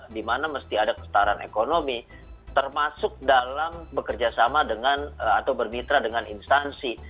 di mana mesti ada kestaraan ekonomi termasuk dalam bekerja sama dengan atau bermitra dengan instansi